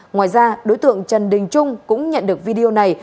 ngoài ra đối tượng trần đình trung cũng nhận được video này